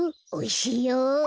おいしいよ。